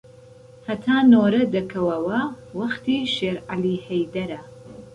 هەتا نۆرە دەکەوەوە وەختی شێرعەلی هەیدەرە